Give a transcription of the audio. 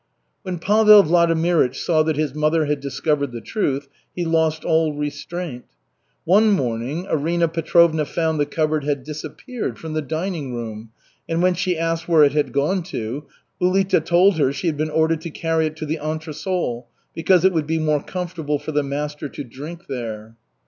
When Pavel Vladimirych saw that his mother had discovered the truth, he lost all restraint. One morning Arina Petrovna found the cupboard had disappeared from the dining room, and when she asked where it had gone to, Ulita told her she had been ordered to carry it to the entresol, because it would be more comfortable for the master to drink there.